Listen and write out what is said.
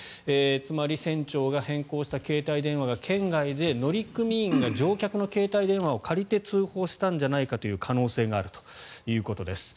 つまり、船長が変更した携帯電話が圏外で乗組員が乗客の携帯電話を借りて通報したんじゃないかという可能性があるということです。